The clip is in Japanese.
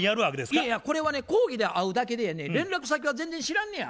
いやいやこれはね講義で会うだけでやね連絡先は全然知らんねや。